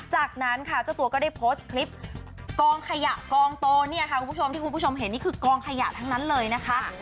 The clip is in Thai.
จากนั้นค่ะเจ้าตัวก็ได้โพสต์คลิปกองขยะกองโตเนี่ยค่ะคุณผู้ชมที่คุณผู้ชมเห็นนี่คือกองขยะทั้งนั้นเลยนะคะ